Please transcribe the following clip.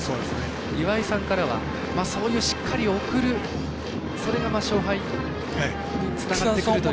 岩井さんからは、しっかり送るそれが勝敗につながってくると。